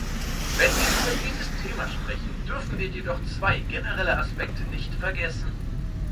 Wenn wir über dieses Thema sprechen, dürfen wir jedoch zwei generelle Aspekte nicht vergessen.